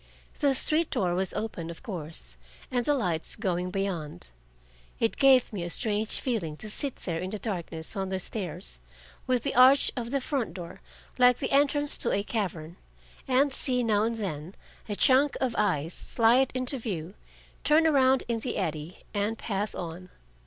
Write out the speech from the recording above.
The street door was open, of course, and the lights going beyond. It gave me a strange feeling to sit there in the darkness on the stairs, with the arch of the front door like the entrance to a cavern, and see now and then a chunk of ice slide into view, turn around in the eddy, and pass on.